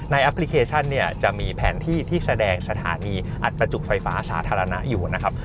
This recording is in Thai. แอปพลิเคชันเนี่ยจะมีแผนที่ที่แสดงสถานีอัดประจุไฟฟ้าสาธารณะอยู่นะครับ